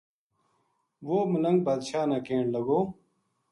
و ہ ملنگ بادشاہ نا کہن لگو